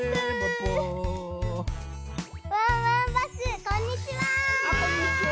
ワンワンバスこんにちは！